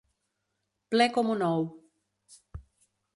Ple com un ou.